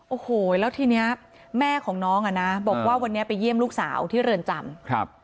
โอ้โหแล้วทีเนี้ยแม่ของน้องอ่ะนะบอกว่าวันนี้ไปเยี่ยมลูกสาวที่เรือนจำครับ